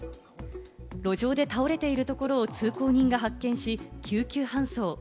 路上で倒れているところを通行人が発見し、救急搬送。